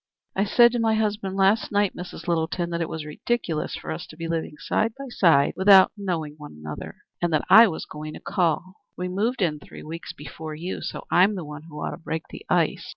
"I said to my husband last night, Mrs. Littleton, that it was ridiculous for us to be living side by side without knowing one another, and that I was going to call. We moved in three weeks before you, so I'm the one who ought to break the ice.